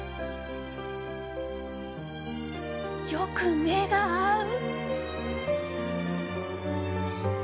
よく目が合う！